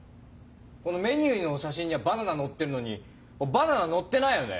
このメニューの写真にはバナナのってるのにバナナのってないよね？